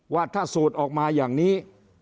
ว่าถ้าสูตรออกมาอย่างนี้